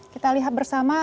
kita lihat bersama